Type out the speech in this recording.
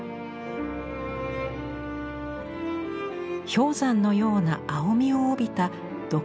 氷山のような青みを帯びた独特の白磁。